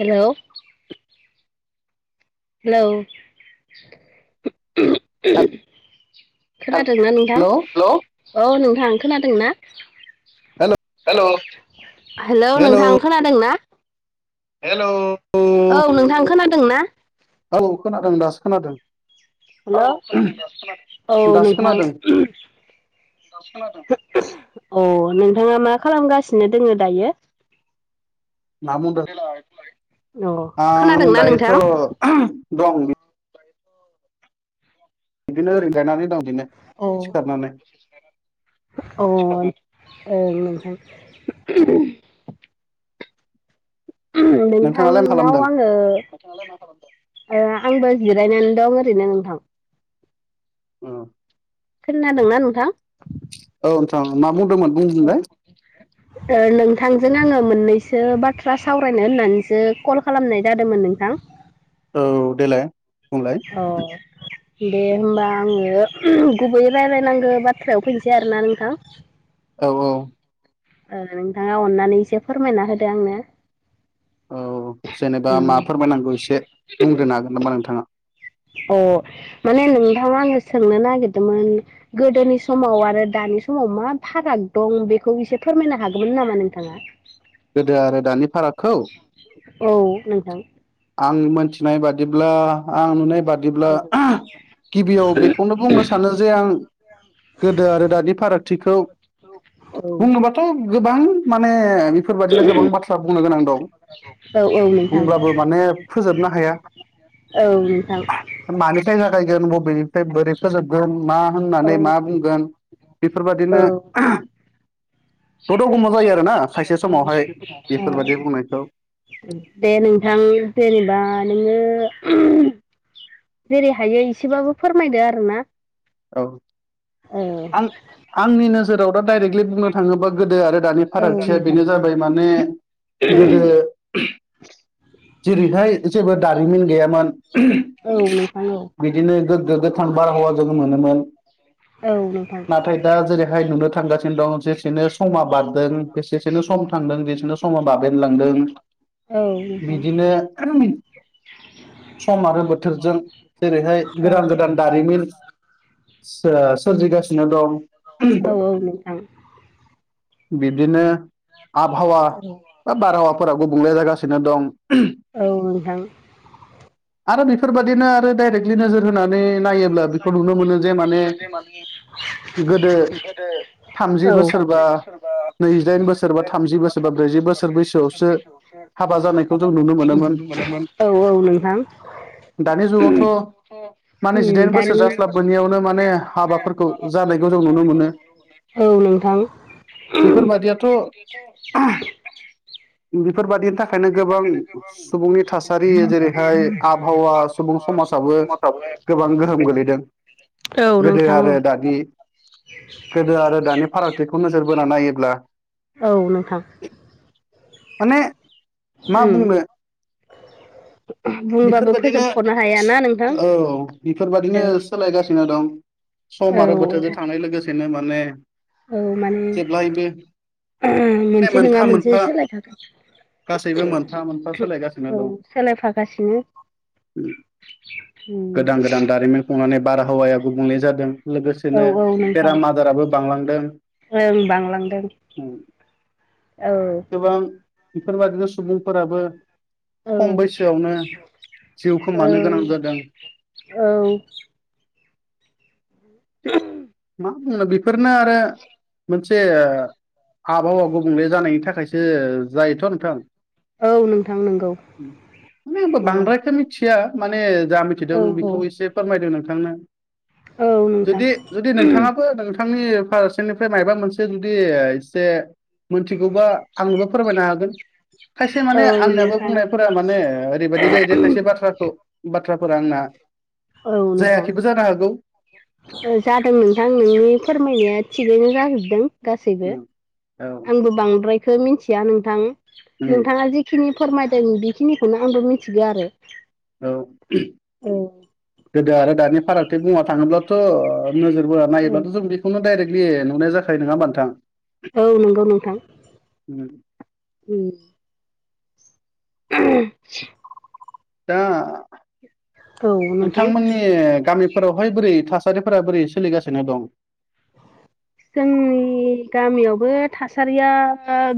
हेल' हेल' खोनादोंना नोंथां हेलौ औ नोंथां खोनादोंना? हेलौ हेल' हेल' हेलौ नोंथां खोनादों ना? हेल' औ नोंथां खोनादों ना? औ खोनादों दासो खोनादों। हेल' औ दासो नोंथां खोनादों अ नोंथाङा मा खालामगासिनो दोङो दायो मा बुंदों अ आं खोनादोंना दायोथ' नोंथां? दं बिदिनो ओरैनो जिरायनानै दं बिदिनो। औ सिखारनानै अ ओं नोंथां नोंथाङालाय मा नोंथांनाव खालामदों आङो आंबो जिरायनानै दं ओरैनो नोंथां अ खोनादोंना नोंथां? औ नोंथां मा बुंदोंमोन बुंफिनलाय [inaudible] नोंथांजों आङो मोननैसो बाथ्रा सावरायनो होननानैसो कल खालामनाय जादोंमोन नोंथां औ देलाय बुंलाय औ दे होमबा आङो गुबै रायलायनांगौ बाथ्रायाव फैनोसै आरोना नोंथां [inaudible] औ औ ओ नोंथाङा अननानै एसे फोरमायना होदो आंनो औ जेनेबा मा उम फोरमायनांगौ एसे बुंग्रोनो हागोन नामा नोंथाङा अ माने नोंथां आङो सोंनो नागिरदोंमोन गोदोनि समाव आरो दानि समाव मा फाराग दं बेखौ एसे फोरमायनो हागौमोन नामा नोंथाङा? गोदो आरो दानि फाराग औ नोंथां आं मोनथिनाय बादिब्ला आं नुनाय बादिब्ला औ गिबियाव बेखौ बेखौनो बुंनो सानो जे आं गोदो आरो दानि फारागथिखौ औ बुंनोबाथ' गोबां माने बेफोरबादिनो गोबां बाथ्रा बुंनो गोनां दं औ औ नोंथां। बुंब्लाबो माने फोजोबनो हाया। औ नोंथां। मानिफ्राय जागायगोन बबेनिफ्राय बोरै फोजोबगोन मा औ होननानै औ मा औ बुंगोन बेफोरबादिनो दद' गम' जायो आरोना खाइ से समावहाय बेफोरबाय दि बुंनायखौ ‌। दे नोंथां जेनेबा नोङो जेरै हायो एसेबाबो फोरमायदो आरोना। औ औ आं आंनि नोजोराव दा डाइरेक्टलि बुंनो थाङोबा गोदो आरो दानि औ फारागथिया नोंथां बेनो जाबाय माने गोदो जेरैहाय जेबो दारिमिन गैयामोन। औ नोंथां औ बिदिनो गोगगो गोथां बारहावा जों मोनोमोन। औ नोंथां। नाथाय दा जेरैहाय नुनो थांगासिनो दं जेसेनो समा बारदों बेसेसेनो सम थांदों जेसेनो समाव बाबेनलांदों औ। नोंथां बिदिनो सम आरो बोथोरजों जेरैहाय औ गोदान गोदान दारिमिन सो-सोरजिगासिनो दं। औ औ नोंथां। बिब्दिनो आबहावा बा बारहावाफोरा गुबुंले जागासिनो दं। औ नोंथां। आरो बेफोरबादिनो आरो डाइरेक्टलि नोजोर होनानै [unintelligible] नायोब्ला बेखौ नुनो गोदो मोनो जे माने औ थामजि गोदो बोसोरबा ब्रैजिदाइन बोसोरबा थामजि नैजिदाइन बोसोर बा बोसोरबा थामजि बोसोर बा ब्रैजि बोसोर बैसोआवसो बैसोआवसो हाबा जानाय हाबा जानायखौ नुनोमोनोमोन। औ औ नोंथां। दानि [unintelligible] जुगावथ' माने जिदाइन दानि बोसोर जास्लाबबोनियावनो माने जास्लाबबयावनो माने हाबाफोरखौ हाबाफोरखौ जानायखौ जों नुनो जानाय मोनो नुनो मोनो। औ नोंथां। बेफोरबादियाथ' बेफोरबायादिनि थाखायनो गोबां सुबुंनि थासारि जेरैहाय आबहावा सुबुं समाजाबो गोबां गोहोम गोलैदों। औ नोंथां औ। बादि गोदो आरो दानि फारागथिखौ नोजोर बोना नायोब्ला औ नोंथां। माने मा उम बुंनो? [inaudible] बेफोरबादिनो फोजोबख'नो हायाना नोंथां औ बेफोर बादिनो औ सोलायगासिनो दं। औ सम आरो बोथोरजों थांनाय लोगोसेनो माने औ माने जेब्लायबो माने मोनसे नङा मोनफा मोनफा [unintelligible] गासैबो मोनफा मोनफा सोलायगासिनो दं। औ सोलायफागासिनो उम गोदान गोदान दारिमिन खुंनानै बारहावाया गुबुंले जादों। औ लोगोसेनो नोंथां बेराम आदाराबो बांलांदों। ओं बांलांदों ओम। औ। गोबां बेफोरबायदिनो सुबुंफोराबो औ खम बैसोआवनो जिउ खोमानो गोनां औ जादों औ मा बुंनो बेफोरनो आरो मोनसे आबहावा गुबुंले जानायनि थाखायसो जायोथ' नों औ नोंथां नों माने होनबा बांद्रायखो मिथिया माने जा मिथिदों औ बेखौ औ एसे फोरमायदों नोंथांनो औ नोंथां जुदि जुदि नोंथाङाबो नोंथां नि फारसेनिफ्राय मायबा मोनसे जुदि एसे मोनथिगौबा आंनोबो फोरमायनो हागोन। खायसे औ माने आंनियाबो नोंथां बुंनायफोरा माने ओरैबायदि जायोदि खाय से बाथ्राखौ बाथ्राफोर आंना औ नोंथां। जायाखैबो जानो हागौ जादों नोंथां नोंनि फोरमायनाया थिगैनो जाजोबदों। गासैबो ओम औ आंबो बांद्रायखौ मिथिया नोंथां उम नोंथाङा जिखिनि फोरमायदों बेखिनिखौनो आंबो मिथिगौ आरो औ। गोदो आरो दानि फारागथि बुंनो थाङोब्लाथ' ओ नोजोर बोना औ नायोब्लाथ' जों बे बेखौनो दाइरेक्टलि नुनाय जाखायो नङा होमबा नोंथां? औ नंगौ नोंथां उम [inaudible] ओम [inaudible] दा औ नोंथां नोंथांमोननि गामि फोरावहाय बोरै थासारिफोरा बोरै सोलिगासिनो दं? जोंनि गामियावबो थासारिया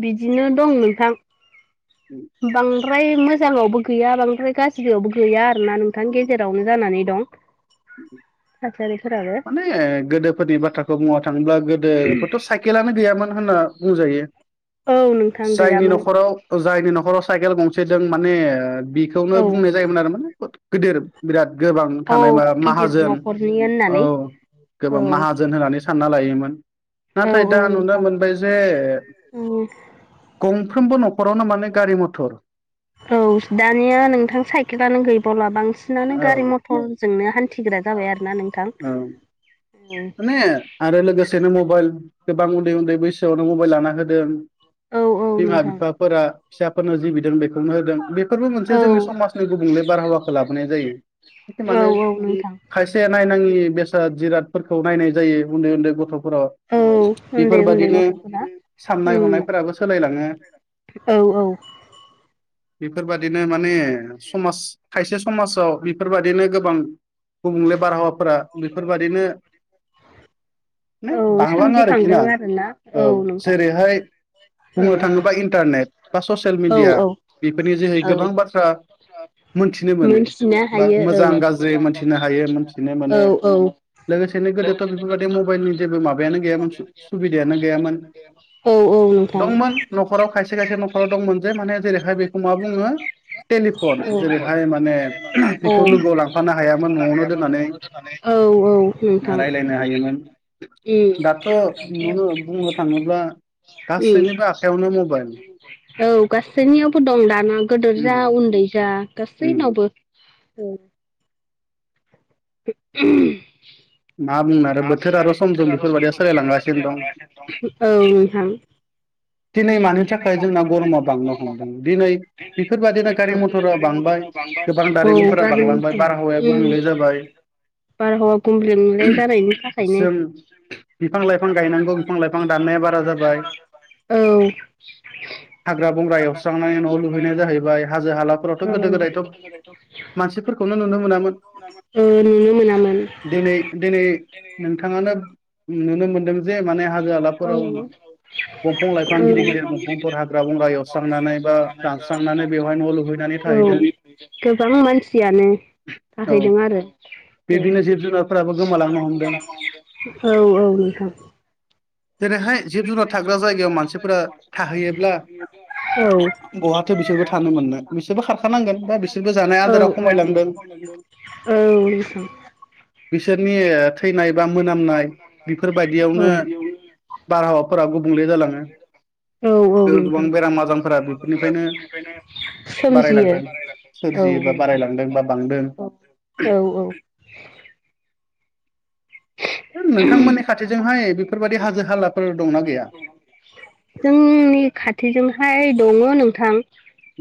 बिदिनो दं नोंथां [inaudible] बांद्राय मोजाङावबो गैया बांद्राय गाज्रियावबो गै या आरोना नोंथां गेजेरावनो जानानै दं थासारिफोराबो माने गोदोफोरनि बाथ्राखौ बुंनो थाङोब्ला गोदोथ' साय केलानो गैयामोन होनना बुंजायो औ नोंथां जायनि गैयामोन न'खराव जायनि न'खराव साइकेल गंसे द माने बिखौनो औ बुंनाय जायोमोन आरो माने गिदोर बिराद गोबां औ थानाय माबा गिदिर माहाजोन न'खरनि औ होननानै औ गोबां माहाजोन होननानै स सानना लायोमोन औ नाथाय दा औ नुनो नोंथां मोनबाय जे गंफ्रोमबो न'ख गारि मथर औ दानिया नोंथां साइकेलानो गैबावला बांसिनानो औ गारि म टरजोंनो हान्थिग्रा जाबाय आरोना नोंथां। औ माने आरो लोगोसेनो मबाइल गोबां उन्दै उन्दै बैसोआवनो मबाइल लाना होदों औ औ बिमा नोंथां बिफाफोरा फिसाफोरनो जि बिदों बेखौनो होदों बे फोरबो मोनसे जोंनि औ समाजनि गुबुंले बारहावाखौ लाबोनाय जायो औ माने नोंथां खायसे नायनाङि बेसाद जिराद खौ नायनाय जायो उन्दै उन्दै गथ'फोराव औ उन्दै उन्दै बेफोरबादिनो गथ'फोरा साननाय उम हनायफोराबो सोलायलाङो। औ औ। बेफोरबायाददिनो माने समाज खायसे समाजाव बेफोरबायादिनो गोबां गुबुंले बारहावाफोरा बेफोरबायादिनो माने औ बांलाङो सोमजिखांदों आरोखिना आरोना औ नोंथां जेरैहाय औ बुंनो थाङोबा इन्टारनेट बा ससियेल औ मिडिया औ बेफोरनि जोहै औ गोबां बाथ्रा मोनथिनो मोनो मोनथिनो बा हायो ओं मोजां गाज्रि मोनथिनो गाज्रि हायो मोनथिनो हायो मोनो। औ लोगोसेनो गोदोथ' बेफोरबायदि मबाइलनि जेबो माबायानो गैयामोन सुबिदायानो गैयामोन औ औ नोंथां दंमोन न'खराव खायसे खायसे न'खराव दंमोनजे माने जेरैहाय बेखौ मा बुङो? टेलिफन जेरैहाय माने औ औ बेखौ लोगोआव लांफानो हायामोन न'आवनो दोननानै औ औ। नोंथां राय्लायनो हायोमोन उम दाथ' ननो बुंनो थाङोब्ला उम गासैनिबो आखाइयावनो मबाइल। औ गासैनियावबो दं दाना गदोर जा उम उन्दै जा उम गासैनावबो। औ [unintelligible] मा बुंनो आरो बोथोर आरो सम सम बेफोरबायदिया सोलायलांगासिनो दं। औ नोंथां दिनै मानि थाखाय जोंना [inaudible] गरमा बांनो हमदों दिनै औ बेफोरबायदिनो मथरा बांबाय गारि गोबां दारिमिनफोरा बांलांबाय मटर बारहावाया गुबुंले जाबाय उम बारहावा गुबुंले जानाय नि थाखायनो जों बिफां लाइफां गायनांगौ बिफां लाइफां दाननाया बारा जाबाय औ हाग्रा बंग्रा एवस्रांनानै न' लुुहैनाय जाहैबाय हाजो हालाफोरावथ' गोदो गोदायथ' मानसिफोरखौनो नुनो मोनामोन ओ नुनो मोनामोन माने दिनै दिनै नोंथाङानो नुनो मोनदों जे माने हाजो हालाफोराव माने [unintelligible] हाग्रा बंग्रा एवस्रांनानै बा दानस्रांनानै बेवहाय न' लुहैनानै औ थाहैदों गोबां मानसियानो औ थाहैदों आरो बिब्दिनो जिब जुनारफोराबो गोमालांनो हमदों औ औ औ नोंथां दिनैहाय जिब जुनार थाग थाग्रा जायगायाव मानसिफोरा थाहैयोब्ला औ बहाथो औ बिसोरबो थानो मोनो नोंथां बिसोरबो खारखानांगोन दा बिसोरबो जानाय आदारा खमायलांदों बिसोरनि थैनाय बा मोनामनाय बेफोरबायदियावनो बारहावाफोरा गुबुंले जालाङो औ गोबां बेराम औ आजारफोरा बेफोरनिफ्रायनो नोंथां सोमजियो बारायलांदों औ सोरजियो नोंथां बा बारायलांदों बा औ बांदों औ औ नोंथांमोननि खाथिजोंहाय बेफोरबायाददि हाजो हालाफोर दंनाा गैया जोंनि खाथिजोंहाय दङ नोंथां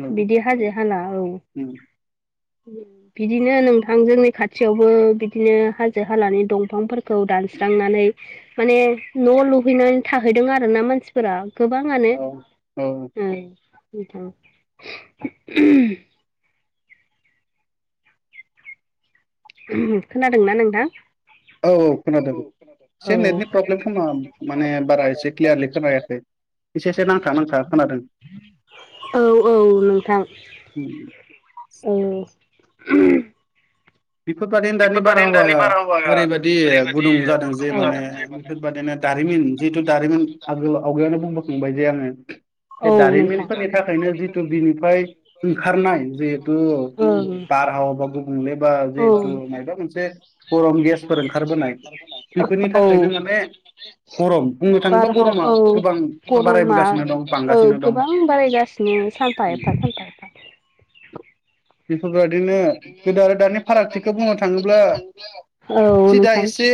औ बिदि हाजो हाला औ बिदिनो नोंथां जोंनि खाथियावबो बिदिनो हाजो हालानि दंफांफोर दानस्रांनानै माने न' लुहैनानै थाहैदों आरोना मानसि फोर गोबाङानो औ औ ओ नोंथां खोनादोंना नोंथां औ खोनादों औ एसे नेटनि प्रब्लेम खोमा माने बारा एसे क्लियारलि खोनायाखै एसे एसे नांथा नांथा खोनादों औ औ नोंथां औ उम बेफोरबादिनो दानि बारहावाया ओरैबदि गुदुं जादों जे माने बेफोरबायाददिनो दारिमिन जिहेतु दारिमिन आगोल आवगायावनो बुंबोखांबाय जे आङो बे जोंनि दारिमिनफोरनि थाखायनो जितु बिनिफ्राय ओंखारनाय जिहेतु बार हावा बा गुबुंले बा ओं औ जिहतु बा मोनसे गरम गेसफोर ओंखारबोनाय बेफोरनि थाखायनो माने गरम बुंनो [inaudible] थाङोब्ला गरमा गोबां बारायबोगासिनो दं बांगासिनो दं बिदिनो सानफा एफा सानफा बेफोरबायदिनो गोदो आरो दानि खौ बुंनो थाङोब्ला एफा औ सिदा नोंथां एसे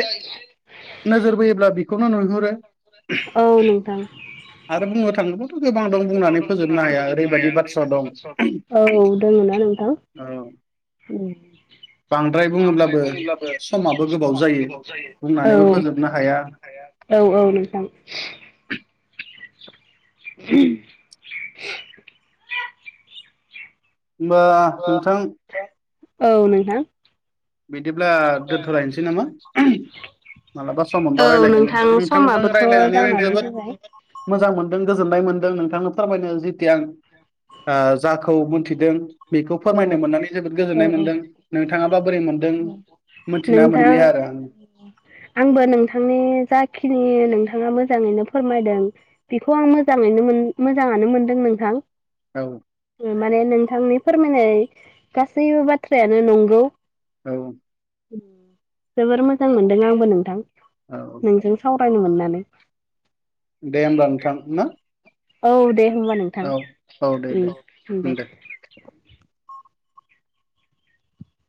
नोजोर बोयोब्ला बेखौनो नुहुरो औ नोंथां आरो बुंनो थाङोब्लाथ' गोबां दं बुंनानै फोजोबनो हाया ओरैबायदि बाथ्रा दं औ दङना नोंथां औ उम बांद्राय बुङैब्लाबो समाबो गोबाव जायो औ बुंनानैबो फोजोबनो बुंनानैबो फोजोबनो हाया औ औ नोंथां होमबा नोंथां औ नोंथां बिदिब्ला दोनथ'लायनोसै नामा मालाबा सम मोनबा औ रायलायगोन नोंथां नोंथांजों समाबोथ' रायजलायनानै आं जानानै जोबोद फैबाय मोजां मोनदों गोजोननाय मोनदों नोंथांनो फोरमायनो जिथि आं जाखौ मोनथिदों बेखौ औ फोरमायनो मोननानै जोबोद औ गोजोननाय औ मोन्दों नोंथाङाबा बोरै मोनदों मिथिना नोंथां मोनलिया आरो आं आंबो नोंथांनि जाखिनि नोंथाङा मोजाङैनो फोरमायदों बेखौ आं मोजाङैनो मोजाङानो मोनदों नोंथां औ माने नोंथांनि फोरमायनाय गासैबो बाथ्रायानो नंगौ औ जोबोर मोजां मोनदों आंबो नोंथां औ नोंजों सावरायनो मोननानै दे होमबा नोंथां ना औ दे होनोमबा औ औ दे दे नोंथां दे